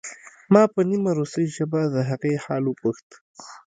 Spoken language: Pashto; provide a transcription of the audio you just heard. ما په نیمه روسۍ ژبه د هغې حال وپوښت